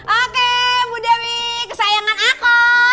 oke bu dewi kesayangan aku